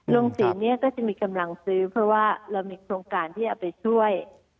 สินเนี่ยก็จะมีกำลังซื้อเพราะว่าเรามีโครงการที่เอาไปช่วย